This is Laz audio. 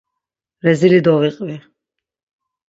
Rezili doviqvi.